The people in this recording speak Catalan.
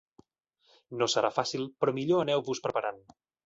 No serà fàcil però millor aneu-vos preparant.